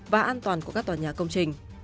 và an toàn của các tòa nhà công trình